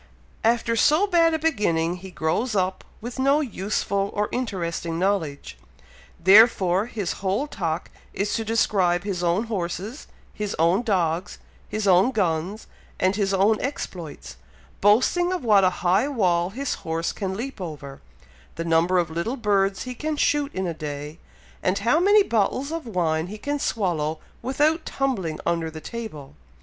After so bad a beginning, he grows up with no useful or interesting knowledge; therefore his whole talk is to describe his own horses, his own dogs, his own guns, and his own exploits; boasting of what a high wall his horse can leap over, the number of little birds he can shoot in a day, and how many bottles of wine he can swallow without tumbling under the table.